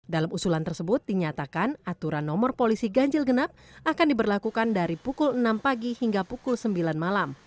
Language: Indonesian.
dalam usulan tersebut dinyatakan aturan nomor polisi ganjil genap akan diberlakukan dari pukul enam pagi hingga pukul sembilan malam